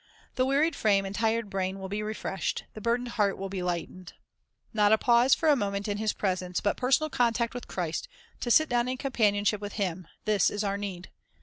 The wearied frame and tired brain will be refreshed, the burdened heart will be lightened. Not a pause for a moment in His presence, but personal contact with Christ, to sit down in companion A Precious .. Experience ship with Him, — this is our need.